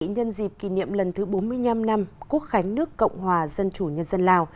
nhân dịp kỷ niệm lần thứ bốn mươi năm năm quốc khánh nước cộng hòa dân chủ nhân dân lào